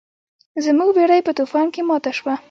زموږ بیړۍ په طوفان کې ماته شوه.